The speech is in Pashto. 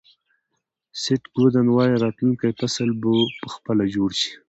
سیټ گودن وایي راتلونکی فصل په خپله جوړ کړئ.